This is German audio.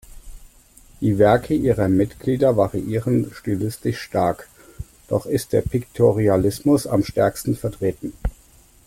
Die Werke ihrer Mitglieder variieren stilistisch stark, doch ist der Piktorialismus am stärksten vertreten.